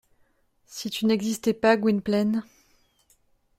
Si tu n’existais pas, Gwynplaine…